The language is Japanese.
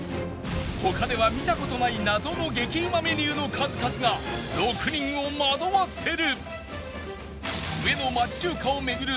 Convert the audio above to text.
他では見た事ない謎の激うまメニューの数々が６人を惑わせる！